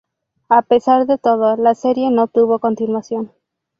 A pesar de todo, la serie no tuvo continuación.